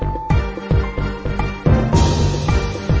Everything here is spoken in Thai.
โอ้โอ้โอ้โอ้เหรอ